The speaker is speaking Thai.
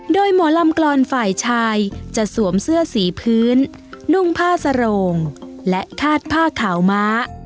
โดยหมอลำกลอนฝ่ายชายจะสวมเสื้อสีพื้นนุ่งผ้าสโรงและคาดผ้าขาวม้า